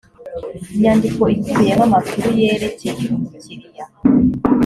inyandiko ikubiyemo amakuru yerekeye umukiriya